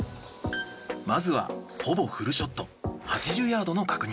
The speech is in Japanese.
まずはほぼフルショット８０ヤードの確認。